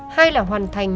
hai là hoàn thành